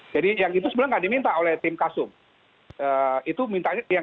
jadi yang itu sebenarnya tidak diminta oleh tim kasus